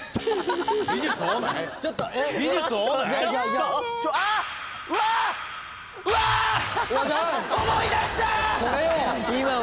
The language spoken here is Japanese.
今思い出した。